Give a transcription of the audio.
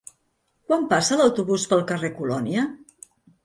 Quan passa l'autobús pel carrer Colònia?